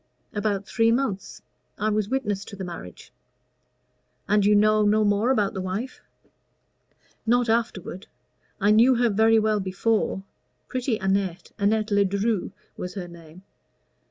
"About three months. I was witness to the marriage." "And you know no more about the wife?" "Not afterward. I knew her very well before pretty Annette Annette Ledru was her name.